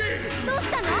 どうしたの？